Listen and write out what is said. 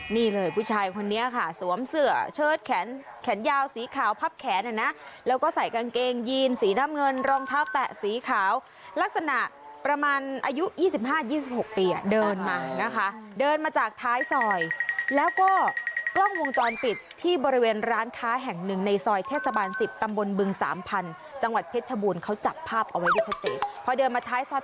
นี่เลยผู้ชายคนนี้ค่ะสวมเสื้อเชิดแขนแขนยาวสีขาวพับแขนอ่ะนะแล้วก็ใส่กางเกงยีนสีน้ำเงินรองเท้าแตะสีขาวลักษณะประมาณอายุ๒๕๒๖ปีอ่ะเดินมานะคะเดินมาจากท้ายซอยแล้วก็กล้องวงจรปิดที่บริเวณร้านค้าแห่งหนึ่งในซอยเทศบาล๑๐ตำบลบึงสามพันธุ์จังหวัดเพชรชบูรณ์เขาจับภาพเอาไว้ได้ชัดเจนพอเดินมาท้ายซอย